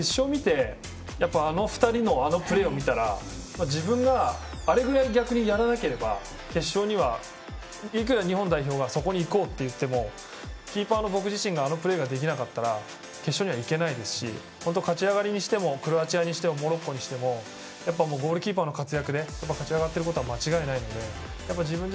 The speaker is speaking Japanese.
決勝を見て、あの２人のあのプレーを見たら、自分があれくらい逆にやらなければいくら日本代表がそこに行こうといってもキーパーの僕自身があのプレーができなかったら決勝にはいけないですし勝ち上がりにしてもクロアチアにしてもモロッコにしてもゴールキーパーの活躍で勝ち上がっていることは間違いないので。